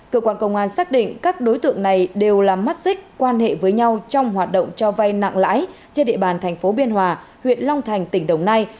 cơ quan công an xác định các đối tượng này đều là mắt xích quan hệ với nhau trong hoạt động cho vay nặng lãi trên địa bàn thành phố biên hòa huyện long thành tỉnh đồng nai